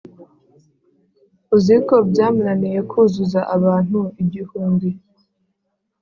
uziko byamunaniye kuzuza abantu igihumbi